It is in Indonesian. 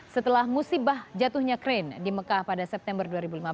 setelah musibah jatuhnya krain di mekah pada september dua ribu lima belas